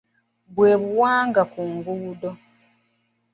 Bwe buwanga ku nguudo.